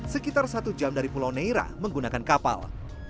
sekitar satu jam dari pulau neira menggunakan kapal